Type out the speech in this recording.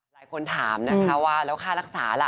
หลายคนถามนะคะว่าแล้วค่ารักษาล่ะ